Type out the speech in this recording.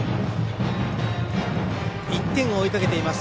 １点を追いかけています。